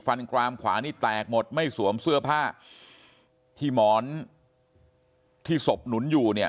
กรามขวานี่แตกหมดไม่สวมเสื้อผ้าที่หมอนที่ศพหนุนอยู่เนี่ย